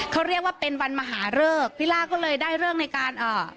เขาเรียกว่าเป็นวันมหาเริกพิล่าก็เลยได้เลิกในการเอ่อ